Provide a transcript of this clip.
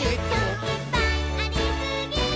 「いっぱいありすぎー！！」